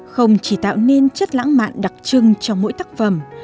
không chỉ tạo nên chất lãng mạn đặc trưng trong mỗi tác phẩm